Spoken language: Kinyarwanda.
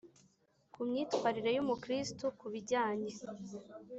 ku myitwarire y’umukristu ku bijyanye